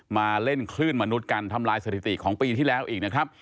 มาเล่นคลื่นมนุษย์กันทำลายสถิติของปีที่แล้วอีกนะครับ